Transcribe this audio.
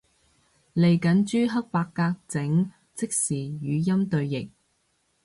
嚟緊朱克伯格整即時語音對譯